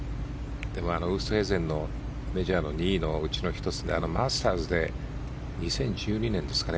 ウーストヘイゼンのメジャーの２位のうちの１つのマスターズで２０１２年ですかね